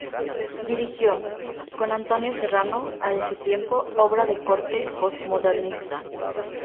Dirigió, con Antonio Serrano, "A destiempo", obra de corte postmodernista.